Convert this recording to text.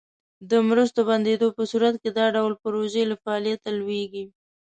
د مرستو بندیدو په صورت کې دا ډول پروژې له فعالیته لویږي.